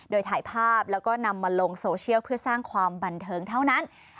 โดยถ่ายภาพแล้วก็นำมาลงโซเชียลเพื่อสร้างความบันเทิงเท่านั้น